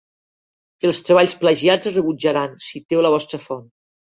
Els treballs plagiats es rebutjaran, citeu la vostra font.